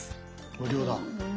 無料だ。